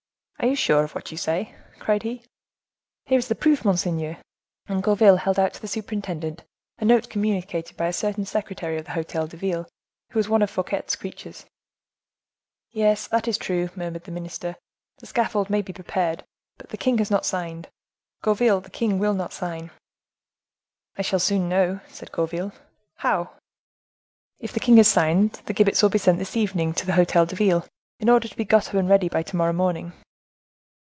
"Are you sure of what you say?" cried he. "Here is the proof, monseigneur." And Gourville held out to the superintendent a note communicated by a certain secretary of the Hotel de Ville, who was one of Fouquet's creatures. "Yes, that is true," murmured the minister; "the scaffold may be prepared, but the king has not signed; Gourville, the king will not sign." "I shall soon know," said Gourville. "How?" "If the king has signed, the gibbets will be sent this evening to the Hotel de Ville, in order to be got up and ready by to morrow morning."